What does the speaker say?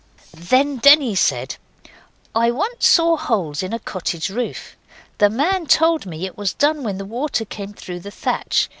Then Denny said, 'I once saw holes in a cottage roof. The man told me it was done when the water came through the thatch.